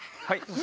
はい。